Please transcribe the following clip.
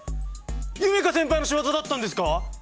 夢叶先輩の仕業だったんですか？